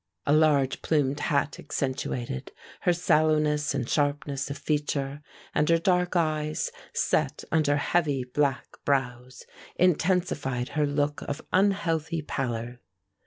A large plumed hat accentuated, her sallowness and sharpness of feature, and her dark eyes, set under heavy black brows, intensified her look of unhealthy pallor.